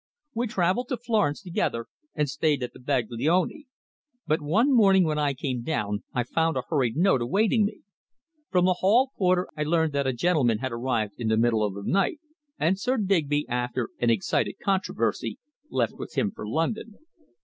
We travelled to Florence together, and stayed at the Baglioni, but one morning when I came down I found a hurried note awaiting me. From the hall porter I learned that a gentleman had arrived in the middle of the night, and Sir Digby, after an excited controversy, left with him for London.